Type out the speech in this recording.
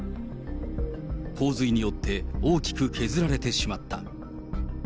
洪水によって大きく削られてしまった。